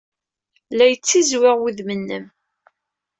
La yettizwiɣ wudem-nnem.